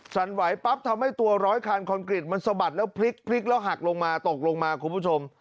สั่นไหวปั๊บทำให้ตัวร้อยคันคอนกรีตมันสะบัดแล้วพลิกแล้วหักลงมาตกลงมาคุณผู้ชม